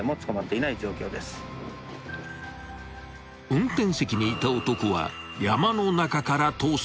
［運転席にいた男は山の中から逃走］